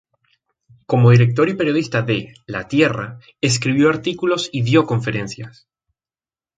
Como director y periodista de "La Tierra" escribió artículos y dio conferencias.